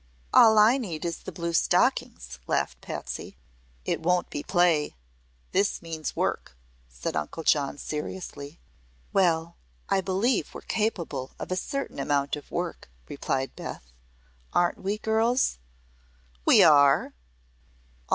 "All I need is the blue stockings," laughed Patsy. "It won't be play. This means work," said Uncle John seriously. "Well, I believe we're capable of a certain amount of work," replied Beth. "Aren't we, girls?" "We are!"